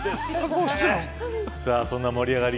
そんな盛り上がり